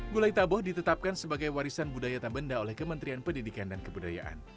gulai taboh ditetapkan sebagai warisan budaya tabenda oleh kementerian pendidikan dan kebudayaan